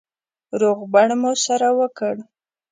روغبړ مو سره وکړ.